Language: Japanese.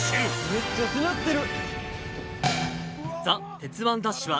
めっちゃしなってる！